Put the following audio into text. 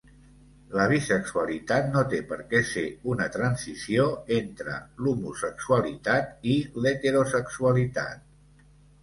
La bisexualitat no té per què ser una transició entre l'homosexualitat i l'heterosexualitat.